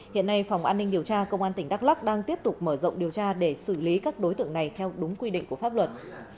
hiện nay phòng an ninh điều tra công an tỉnh đắk lắc đang tiếp tục mở rộng điều tra để xử lý các đối tượng này theo đúng quy định của pháp luật